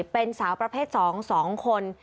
เป็นสาวประเภท๒๒คน